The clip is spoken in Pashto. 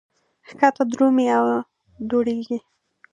ښکته درومي او دوړېږي.